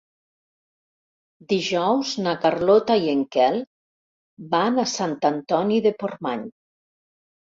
Dijous na Carlota i en Quel van a Sant Antoni de Portmany.